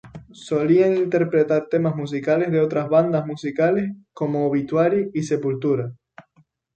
Solían interpretar temas musicales de otras banda musicales como Obituary y Sepultura.